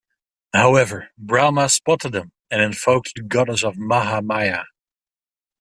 However, Brahma spotted them, and invoked the goddess Mahamaya.